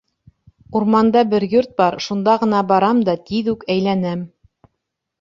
Урманда бер йорт бар, шунда ғына барам да тиҙ үк әйләнәм.